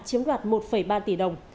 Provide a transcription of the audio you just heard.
chiếm đoạt một ba tỷ đồng